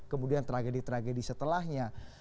kemudian tragedi tragedi setelahnya